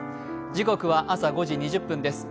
時刻は朝５時２０分です。